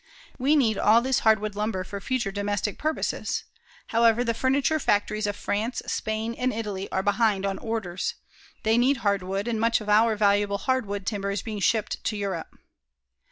We need all this hardwood lumber for future domestic purposes. However, the furniture factories of France, Spain and Italy are behind on orders. They need hardwood and much of our valuable hardwood timber is being shipped to Europe.